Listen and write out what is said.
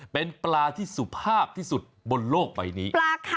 เป็นปลาที่สุภาพที่สุดบนโลกใบนี้